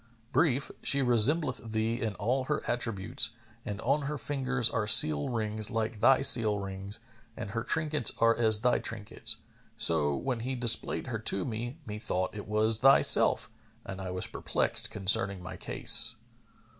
Brief, she resembleth thee in all her attributes, and on her fingers are seal rings like thy seal rings and her trinkets are as thy trinkets. So, when he displayed her to me, methought it was thyself and I was perplexed concerning my case.